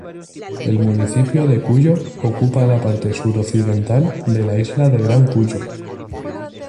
El municipio de Cuyo ocupa la parte suroccidental de la isla de Gran Cuyo.